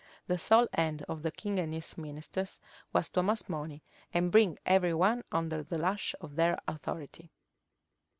The sole end of the king and his ministers was to amass money, and bring every one under the lash of their authority.